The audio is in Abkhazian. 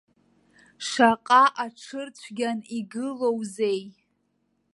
Шаҟа аҽрыцәгьан игылоузеи?!